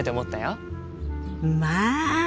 まあ！